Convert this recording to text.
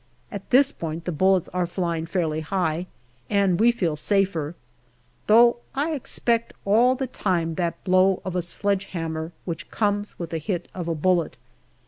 At this point the bullets are flying fairly high, and we feel safer, though I expect all the time that blow of a sledge hammer which comes with the hit of a bullet.